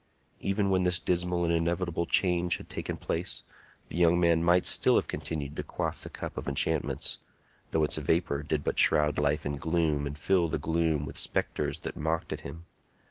Even when this dismal and inevitable change had taken place, the young man might still have continued to quaff the cup of enchantments, though its vapor did but shroud life in gloom and fill the gloom with spectres that mocked at him.